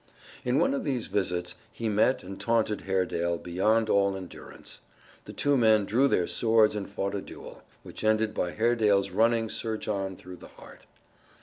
On one of these visits he met and taunted Haredale beyond all endurance. The two men drew their swords and fought a duel, which ended by Haredale's running Sir John through the heart.